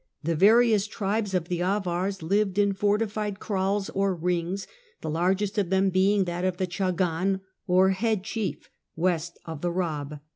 The various tribes of the Avars lived in fortified kraals or " rings," the largest of them being that of the Chagan or head chief, west of the Baab.